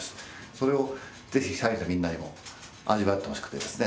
それを是非社員のみんなにも味わってほしくてですね